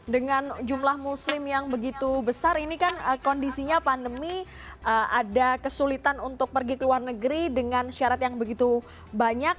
dengan jumlah muslim yang begitu besar ini kan kondisinya pandemi ada kesulitan untuk pergi ke luar negeri dengan syarat yang begitu banyak